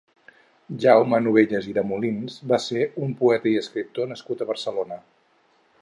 Jaume Novellas i de Molins va ser un poeta i escriptor nascut a Barcelona.